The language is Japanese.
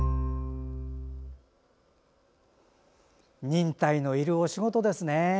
忍耐のいるお仕事ですね。